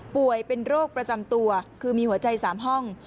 ป่วยเป็นโรคประจำตัวคือมีหัวใจ๓ห้อง